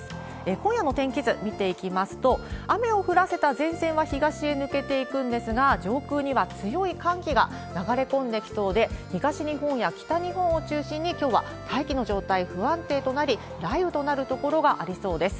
今夜の天気図見ていきますと、雨を降らせた前線は東へ抜けていくんですが、上空には強い寒気が流れ込んできそうで、東日本や北日本を中心に、きょうは大気の状態、不安定となり、雷雨となる所がありそうです。